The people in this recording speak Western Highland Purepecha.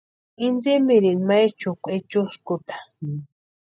Intsïmirini ma echukwa echuskuta.